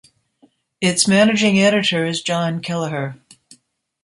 Its managing editor is John Kelleher.